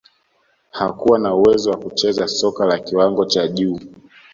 hakuwa na uwezo wa kucheza soka la kiwango cha juu